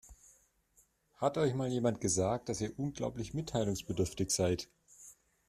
Hat euch mal jemand gesagt, dass ihr unglaublich mitteilungsbedürftig seid?